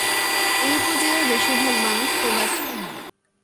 এই উপজেলার বেশীর ভাগ মানুষ প্রবাসী।